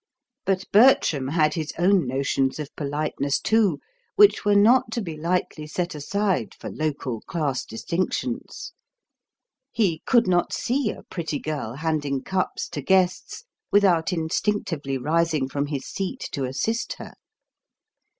But Bertram had his own notions of politeness, too, which were not to be lightly set aside for local class distinctions. He could not see a pretty girl handing cups to guests without instinctively rising from his seat to assist her.